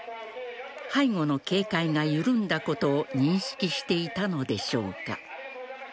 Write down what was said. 背後の警戒が緩んだことを認識していたのでしょうか。